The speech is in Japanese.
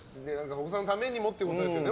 お子さんのためにもってことですよね。